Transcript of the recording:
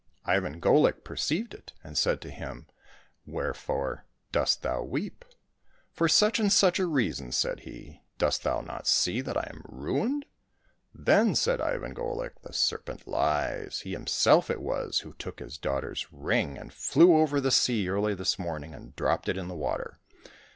Ivan Golik perceived it, and said to him, " Wherefore dost thou weep ?"" For such and such a reason," said he ;" dost thou not see that I am ruined ?" Then said Ivan Golik, " The serpent lies. He him self it was who took his daughter's ring and flew over the sea early this morning, and dropped it in the water.